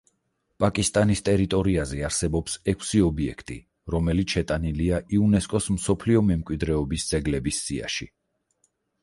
პაკისტანის ტერიტორიაზე არსებობს ექვსი ობიექტი, რომელიც შეტანილია იუნესკოს მსოფლიო მემკვიდრეობის ძეგლების სიაში.